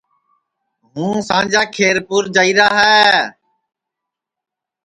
ہوں سانجا کھیرپُور جائیرا ہے